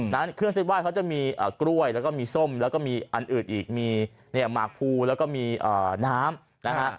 นั้นเครื่องเส้นไห้เขาจะมีกล้วยแล้วก็มีส้มแล้วก็มีอันอื่นอีกมีเนี่ยหมากภูแล้วก็มีน้ำนะฮะ